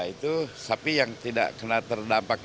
itu sapi yang tidak kena terdampak